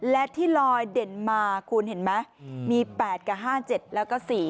และที่ลอยเด่นมาคุณเห็นไหมมี๘กับ๕๗แล้วก็๔